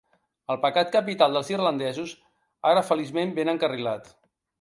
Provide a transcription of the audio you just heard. El pecat capital dels irlandesos, ara feliçment ben encarrilat.